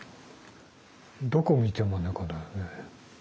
どこを見ても猫だよね。